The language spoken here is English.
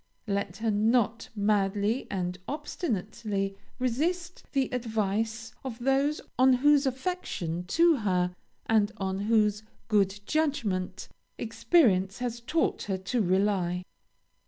Let her not madly and obstinately resist the advice of those on whose affection to her, and on whose good judgment, experience has taught her to rely.